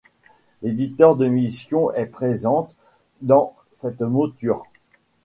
L'éditeur de missions est présent dans cette mouture.